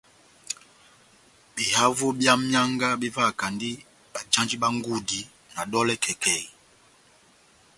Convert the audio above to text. Behavo bia mianga bevahakandi bajandi bá ngudi na dolè kèkèi.